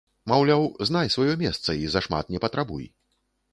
Маўляў, знай сваё месца і зашмат не патрабуй.